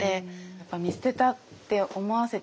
やっぱ見捨てたって思わせてはいけない。